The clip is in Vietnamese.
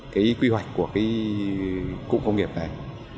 cái quy hoạch của cái cụm công nghiệp này